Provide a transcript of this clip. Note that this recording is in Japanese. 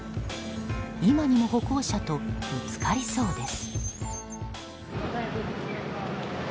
今にも歩行者とぶつかりそうです。